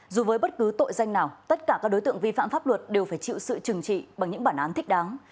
dù với bất cứ tội danh nào tất cả các đối tượng vi phạm pháp luật đều phải chịu sự trừng trị bằng những bản án thích đáng